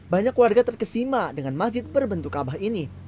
banyak warga terkesima dengan masjid berbentuk kabah ini